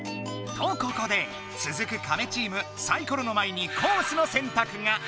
とここでつづくカメチームサイコロの前にコースのせんたくが！